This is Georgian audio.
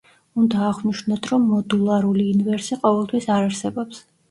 უნდა აღვნიშნოთ, რომ მოდულარული ინვერსი ყოველთვის არ არსებობს.